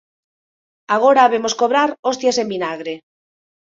Agora habemos cobrar hostias en vinagre.